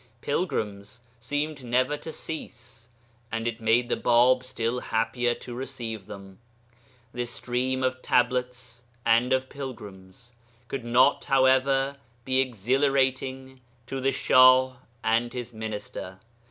Pilgrims seemed never to cease; and it made the Bāb still happier to receive them. This stream of Tablets and of pilgrims could not however be exhilarating to the Shah and his Minister.